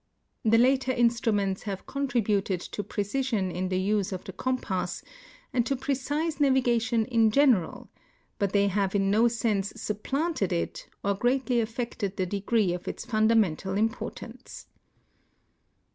The later instruments have contrihuted to precision in the use of the compass and to precise navigation in general, hut they have in no sense supidanted it or greatly afVected the degree of its funda mental im})ortance.